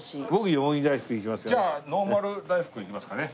じゃあノーマル大福いきますかね。